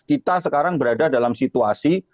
kita sekarang berada dalam situasi